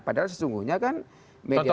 padahal sesungguhnya kan media